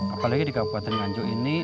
apalagi di kabupaten nganjuk ini